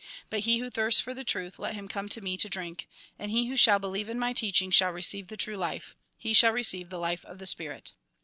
But he who thirsts for the truth, let him come to me to drink. And he who shall believe in my teaching shall receive the true life. He shall receive the life of the spirit."